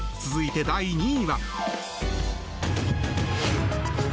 続いて、第２位は。